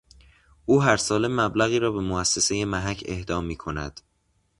او هر ساله مبلغی را به مؤسسه محک اهدا میکند